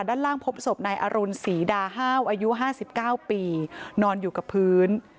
ด้านล่างพบศพนายอรุณศรีดาห้าวอายุ๕๙ปีนอนอยู่กับพื้น